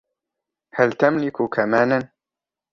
هل تملك كمانًا ؟